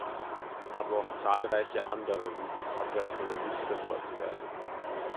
Aber auch zahlreiche andere Routen hat er auf seiner Liste vorzuweisen.